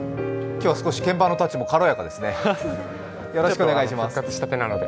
今日は少し鍵盤のタッチも軽やかですね。